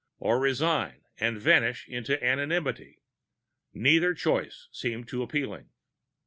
Or resign, and vanish into anonymity. Neither choice seemed too appealing.